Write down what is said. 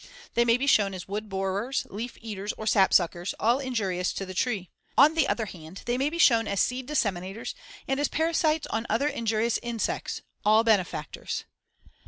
They may be shown as wood borers, leaf eaters, or sap suckers, all injurious to the tree. On the other hand they may be shown as seed disseminators and as parasites on other injurious insects; all benefactors.